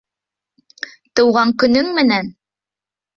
Тыуған көнөң менән!